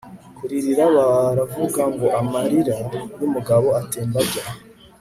kurira baravuga ngo amarira yumugabo atemba ajya